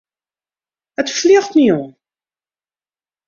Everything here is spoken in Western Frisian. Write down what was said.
It fljocht my oan.